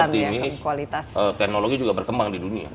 tapi saya optimis teknologi juga berkembang di dunia